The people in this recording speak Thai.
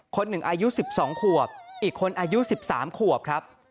คนหนึ่งอายุ๑๒ขวบอีกคนอายุ๑๓ขวบครับ